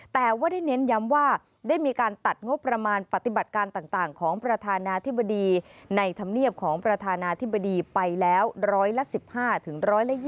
แต่ว่าได้เน้นย้ำว่าได้มีการตัดงบประมาณปฏิบัติการต่างของประธานาธิบดีในธรรมเนียบของประธานาธิบดีไปแล้ว๑๑๕ถึง๑๒๐